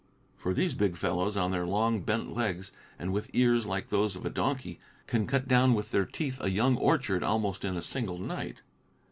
For these big fellows, on their long, bent legs, and with ears like those of a donkey, can cut down with their teeth a young orchard almost in a single night.